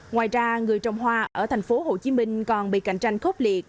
ngoài ra người trồng hoa ở thành phố hồ chí minh còn bị cạnh tranh khốc liệt